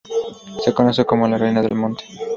Se conoce como "reina del monte".